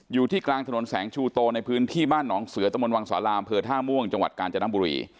อยู่ที่กลางถนนแสงชูโตในพื้นที่บ้านหนองเสือตะมนตวังสาราอำเภอท่าม่วงจังหวัดกาญจนบุรี